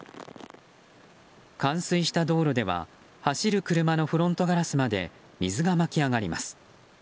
冠水した道路では走る車のフロントガラスまで水が巻き上がります。